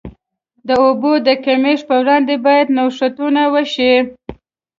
د اوبو د کمښت پر وړاندې باید نوښتونه وشي.